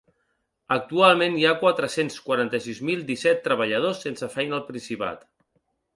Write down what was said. Actualment hi ha quatre-cents quaranta-sis mil disset treballadors sense feina al Principat.